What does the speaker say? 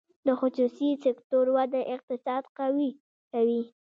د خصوصي سکتور وده اقتصاد قوي کوي